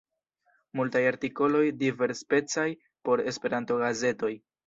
Multaj artikoloj diversspecaj por Esperanto-gazetoj.